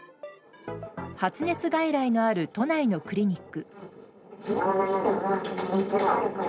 発熱外来のある都内のクリニック。